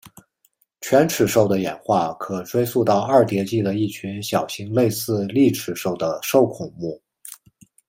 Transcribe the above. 犬齿兽的演化可追溯到二叠纪的一群小型类似丽齿兽的兽孔目。